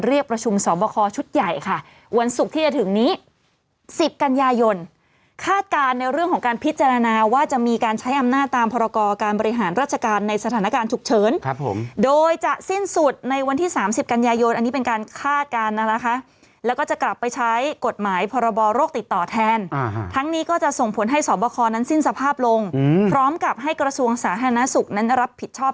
เรียกประชุมสอบบาคอชุดใหญ่ค่ะวันศุกร์ที่จะถึงนี้๑๐กัญญาโยนฆาตการในเรื่องของการพิจารณาว่าจะมีการใช้อำนาจตามภรรกอการบริหารราชการในสถานการณ์ฉุกเชิญครับผมโดยจะสิ้นสุดในวันที่๓๐กัญญาโยนอันนี้เป็นการฆาตการนะคะแล้วก็จะกลับไปใช้กฎหมายพรบรโรคติดต่อแทนทั้งนี้ก็จะส่งผลให้สอบบ